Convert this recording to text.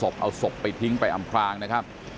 เอาศพไปทิ้งไปอำพลางนะครับ